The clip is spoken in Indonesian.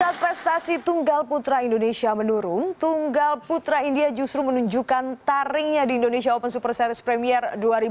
saat prestasi tunggal putra indonesia menurun tunggal putra india justru menunjukkan taringnya di indonesia open super series premier dua ribu dua puluh